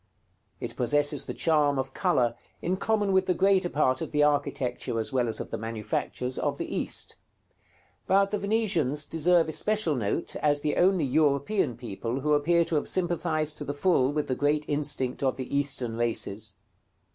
It possesses the charm of color in common with the greater part of the architecture, as well as of the manufactures, of the East; but the Venetians deserve especial note as the only European people who appear to have sympathized to the full with the great instinct of the Eastern races.